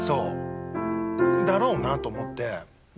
だろうなと思って。